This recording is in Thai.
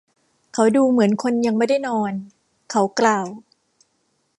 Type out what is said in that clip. “เขาดูเหมือนคนยังไม่ได้นอน” เขากล่าว